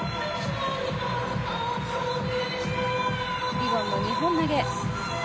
リボンの２本投げ。